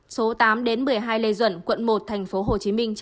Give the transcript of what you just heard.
số tám đến một mươi hai lê duẩn quận một tp hcm